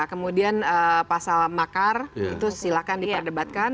kemudian pasal makar itu silahkan diperdebatkan